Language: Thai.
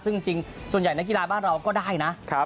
ซึ่งจริงส่วนใหญ่นักกีฬาบ้านเราก็ได้นะ